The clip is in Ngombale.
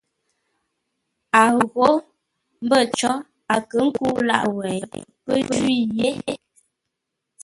A ghó mbə̂ có a kə kə́u lâʼ wêi, pə́ jwî yé.